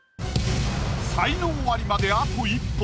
才能アリまであと一歩。